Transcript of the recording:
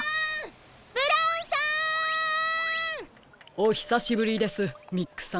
ブラウンさん！おひさしぶりですミックさん。